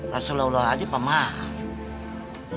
rasulullah haji pak maaf